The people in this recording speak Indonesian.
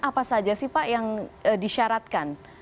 apa saja sih pak yang disyaratkan